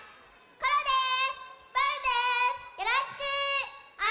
コロです。